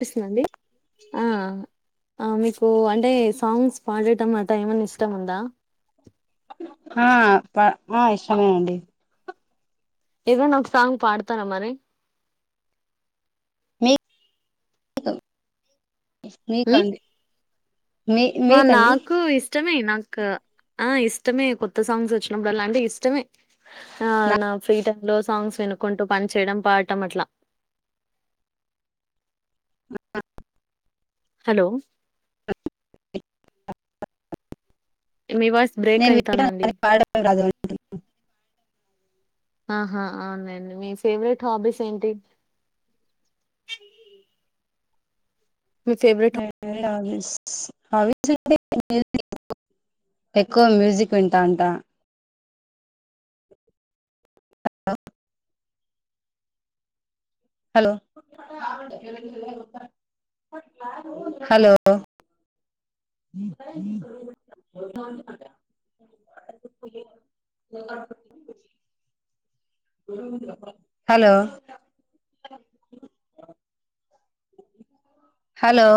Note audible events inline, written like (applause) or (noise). పిస్తుందా అండి ఆ మీకు అంటే సాంగ్స్ పాడటం అట ఏమన్నా ఇష్టం ఉందా ఆ ప ఆ ఇష్టమే అండి ఎదైనా ఒక సాంగ్ పాడతార మరి మీ కా హ్మ్. (unintelligible) ఆ నాకు ఇష్ట ఇష్టమే నాకు ఆ ఇష్టమే కొత్త సాంగ్స్ వచ్చినప్పుడలాంటే ఇష్టమే ఆ నా ఫ్రీ టై లో సాంగ్స్ వెనుకుంటూ పని చేయడం పాడటం అట్లా హలో మీవాస్ బ్రేక్ నేను వినడం అయితానండి కానీ పాడడం రాదు ఆహా అవునండి మీ ఫేవరెట్ హాబీస్ ఏంటి మీ ఫేవరెట్ అ హవిస్ హవి అ (unintelligible) ఎక్కువ మ్యూజిక్ వింటా అంట హలో హలో హలో హలో